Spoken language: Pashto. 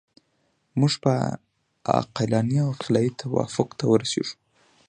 موږ به عقلاني او عقلایي توافق ته ورسیږو.